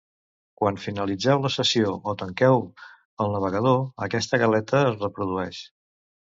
Quan finalitzeu la sessió o tanqueu el navegador aquesta galeta es reprodueix.